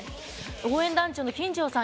応援団長の金城さん